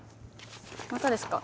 またですか？